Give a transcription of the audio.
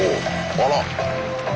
あら。